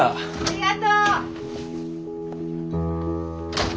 ありがとう。